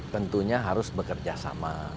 tentunya harus bekerja sama